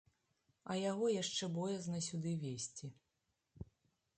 А яго яшчэ боязна сюды везці.